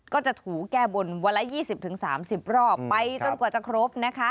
ถูแก้บนวันละ๒๐๓๐รอบไปจนกว่าจะครบนะคะ